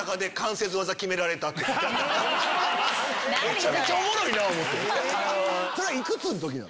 めちゃめちゃおもろいなぁ思うて。